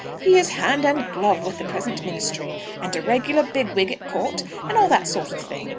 He is hand and glove with the present ministry, and a regular big wig at court, and all that sort of thing.